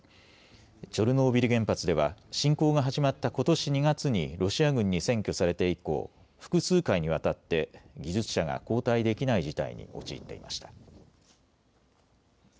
チョルノービリ原発では侵攻が始まったことし２月にロシア軍に占拠されて以降、複数回にわたって技術者が交代できない事態に陥っていました。